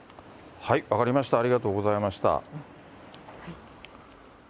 分かりました、ありがとうございました。